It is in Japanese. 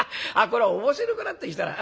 こら面白くなってきたな。